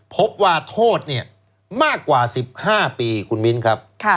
พบว่าโทษเนี่ยมากกว่า๑๕ปีคุณมิ้นครับ